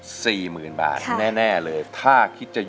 ทั้งในเรื่องของการทำงานเคยทำนานแล้วเกิดปัญหาน้อย